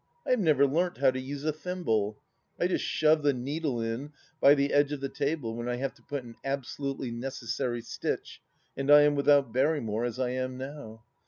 I have never learnt how to use a thimble ; I just shove the needle in by the edge of the table when I have to put an absolutely necessary stitch and I am without BerrjTnore, as I am now.